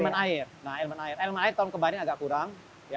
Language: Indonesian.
nah elemen air tahun kemarin agak kurang